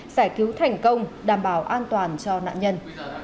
giải cứu thành công đảm bảo an toàn cho nạn nhân